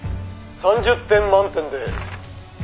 ３０点満点で」